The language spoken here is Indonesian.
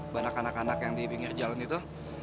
banyak anak anak yang di pinggir jalan itu